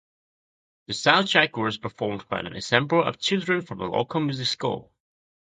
The soundtrack was performed by an ensemble of children from a local music school.